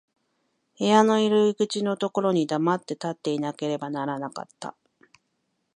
部屋の入口のところに黙って立っていなければならなかった。